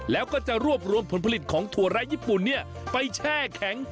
แล้วก็จะรวบรวมผลผลิตของถั่วไร้ญี่ปุ่นไปแช่แข็ง